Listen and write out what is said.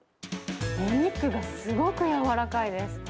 お肉がすごく柔らかいです。